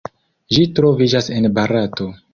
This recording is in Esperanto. Ĝi troviĝas en Barato.